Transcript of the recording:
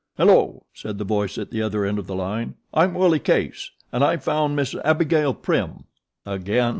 "Hello!" said the voice at the other end of the line; "I'm Willie Case, an' I've found Miss Abigail Prim." "Again?"